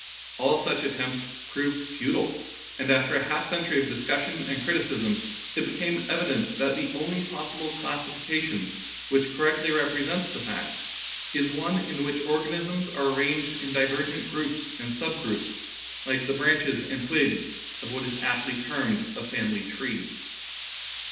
All such at tempts proved futile, and after a half century of discussion and criticism it became evident that the only possible classification which correctly represents the facts is one in which organisms are arranged in divergent groups and sub groups, like the branches and twigs of what is aptly termed a family tree.